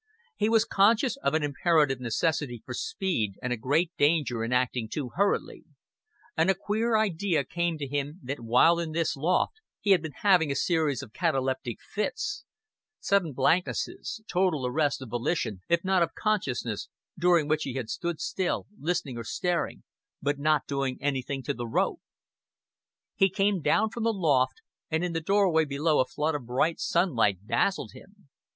He was conscious of an imperative necessity for speed and a great danger in acting too hurriedly; and a queer idea came to him that while in this loft he had been having a series of cataleptic fits sudden blanknesses, total arrests of volition if not of consciousness, during which he had stood still, listening or staring, but not doing anything to the rope. He came down from the loft, and in the doorway below a flood of bright sunlight dazzled him.